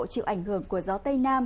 chịu ảnh hưởng của gió tây nam